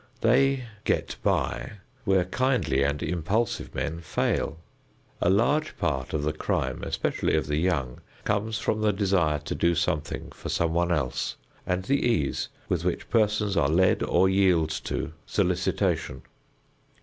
They "get by" where kindly and impulsive men fail. A large part of the crime, especially of the young, comes from the desire to do something for someone else and from the ease with which persons are led or yield to solicitation.